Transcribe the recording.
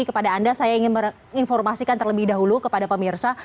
jadi kepada anda saya ingin menginformasikan terlebih dahulu kepada pemirsa